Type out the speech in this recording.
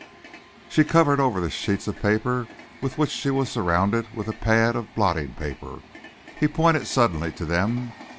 She covered over the sheets of paper with which she was surrounded with a pad of blotting paper. He pointed suddenly to them.